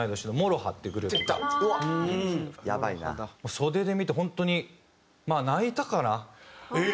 袖で見て本当にまあ泣いたかな。